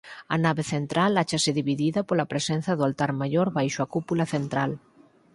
A nave central áchase dividida pola presenza do altar maior baixo a cúpula central.